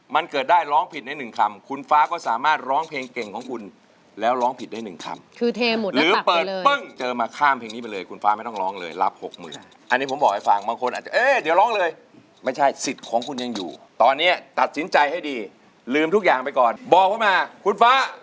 มันเกิดได้ร้องผิดได้หนึ่งคำคุณฟ้าก็สามารถร้องเพลงเก่งของคุณแล้วร้องผิดได้หนึ่งคำคือเทหมดเลยหรือเปิดปึ้งเจอมาข้ามเพลงนี้ไปเลยคุณฟ้าไม่ต้องร้องเลยรับหกหมื่นอันนี้ผมบอกให้ฟังบางคนอาจจะเอ๊ะเดี๋ยวร้องเลยไม่ใช่สิทธิ์ของคุณยังอยู่ตอนนี้ตัดสินใจให้ดีลืมทุกอย่างไปก่อนบอกเข้ามาคุณฟ้า